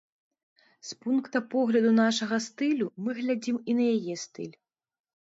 З пункта погляду нашага стылю мы глядзім і на яе стыль.